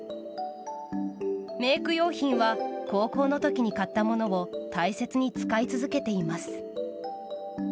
メイク用品は高校の時に買ったものを大切に使い続けています。